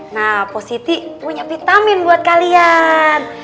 nah positif punya vitamin buat kalian